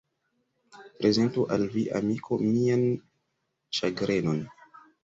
Prezentu al vi, amiko, mian ĉagrenon!